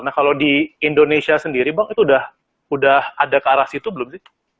nah kalau di indonesia sendiri bang itu udah ada ke arah situ belum sih